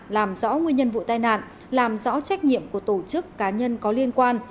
làm rõ nguyên nhân vụ tai nạn làm rõ trách nhiệm của tổ chức cá nhân có liên quan